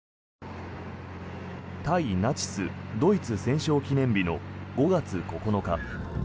対ナチス・ドイツ戦勝記念日の５月９日。